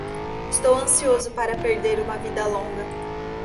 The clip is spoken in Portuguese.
Estou ansioso para perder uma vida longa.